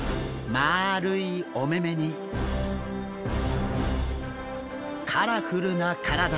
まあるいお目々にカラフルな体。